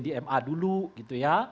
di ma dulu gitu ya